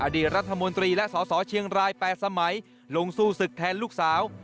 ดีรัฐมนตรีและสสเชียงราย๘สมัยลงสู้ศึกแทนลูกสาว